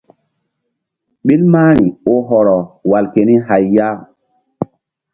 Ɓil mahri oh hɔrɔ wal keni hay ya.